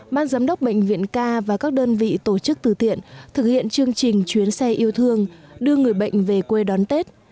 ban giám đốc bệnh viện k và các đơn vị tổ chức từ thiện thực hiện chương trình chuyến xe yêu thương đưa người bệnh về quê đón tết